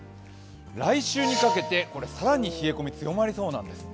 来週にかけて更に冷え込み、強まりそうなんです。